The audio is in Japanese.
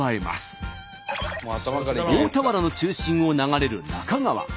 大田原の中心を流れる那珂川。